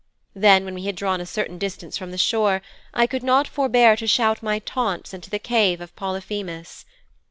Then when we had drawn a certain distance from the shore I could not forbear to shout my taunts into the cave of Polyphemus.